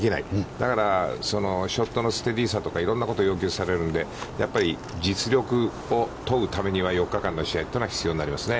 だから、ショットのステディさとかいろんなことを要求されるんで、やっぱり実力を問うためには４日間の試合というのは、必要になりますね。